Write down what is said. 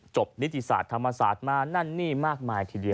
จบนิจิษฐธรรมศาสตร์มานั่นนี่มากมายทีเดียว